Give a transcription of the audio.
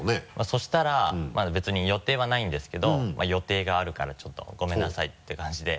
そうしたら別に予定はないんですけど「予定があるからちょっとごめんなさい」って感じで。